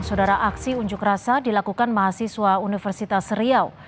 saudara aksi unjuk rasa dilakukan mahasiswa universitas riau